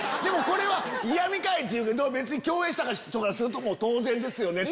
これは嫌みかい！っていうけど別に共演した人からすると当然ですよね！